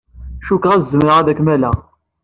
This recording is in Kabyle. Cikkeɣ ad zemreɣ ad kem-alleɣ.